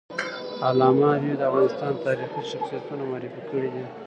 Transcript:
علامه حبیبي د افغانستان تاریخي شخصیتونه معرفي کړي دي.